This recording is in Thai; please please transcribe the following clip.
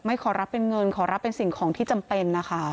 ขอรับเป็นเงินขอรับเป็นสิ่งของที่จำเป็นนะคะ